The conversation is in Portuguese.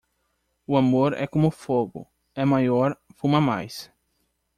O amor é como fogo; É maior, fuma mais.